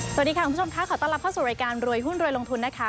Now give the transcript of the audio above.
สวัสดีค่ะขอต้อนรับเข้าสู่รายการรวยหุ้นรวยลงทุนนะคะ